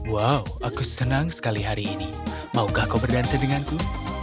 wow aku senang sekali hari ini maukah kau berdansa denganku